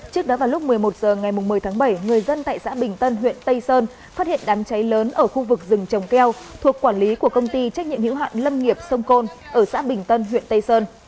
trước đó vào lúc một mươi một h ngày một mươi tháng bảy người dân tại xã bình tân huyện tây sơn phát hiện đám cháy lớn ở khu vực rừng trồng keo thuộc quản lý của công ty trách nhiệm hiệu hạn lâm nghiệp sông côn ở xã bình tân huyện tây sơn